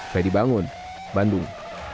fede bangun bandung